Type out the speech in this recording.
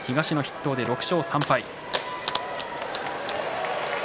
富士東の筆頭を６勝３敗。